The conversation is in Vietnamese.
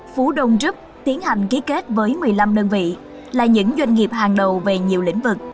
phú đông group tiến hành ký kết với một mươi năm đơn vị là những doanh nghiệp hàng đầu về nhiều lĩnh vực